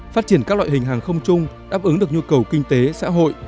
phát triển các loại hình hàng không chung đáp ứng được nhu cầu kinh tế xã hội